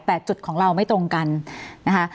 แต่จุดของเราไม่ตรงกันนะคะ